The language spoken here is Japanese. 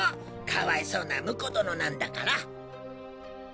かわいそうな婿殿なんだから。